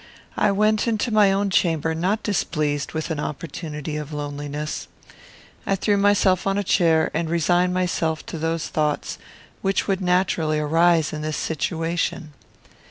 I went into my own chamber not displeased with an opportunity of loneliness. I threw myself on a chair and resigned myself to those thoughts which would naturally arise in this situation.